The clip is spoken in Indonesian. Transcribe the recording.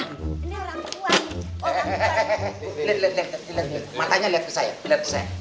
hehehe lihat lihat lihat lihat matanya lihat ke saya lihat ke saya